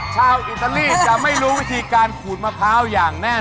ชาวอิตาลีจะไม่รู้วิธีการขูดมะพร้าวยังไงนะครับ